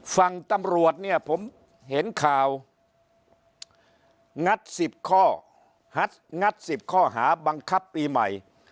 ฝั่งตำรวจเนี่ยผมเห็นข่าวงัด๑๐ข้องัด๑๐ข้อหาบังคับปีใหม่